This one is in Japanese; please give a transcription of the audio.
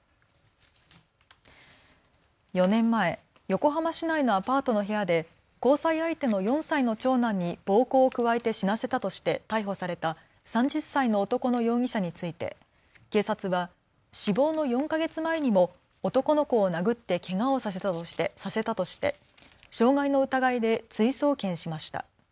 ４年前、横浜市内のアパートの部屋で交際相手の４歳の長男に暴行を加えて死なせたとして逮捕された３０歳の男の容疑者について警察は死亡の４か月前にも男の子を殴ってけがをさせたとして傷害の疑いで追送検しました。